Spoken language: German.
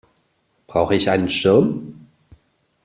Brauche ich einen Schirm?